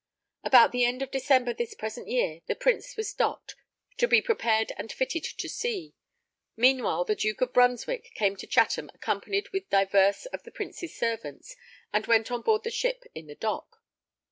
About the end of December this present year, the Prince was docked, to be prepared and fitted to sea, meanwhile the Duke of Brunswick came to Chatham accompanied with divers of the Prince's servants, and went on board the ship in the dock.